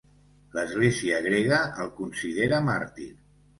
L'església grega el considera màrtir.